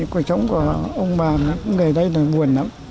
cuộc sống của ông bà ở đây là buồn lắm